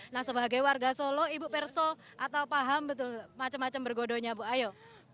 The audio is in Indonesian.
nah sebagai warga solo ibu perso atau paham betul macam macam bergodonya bu ayo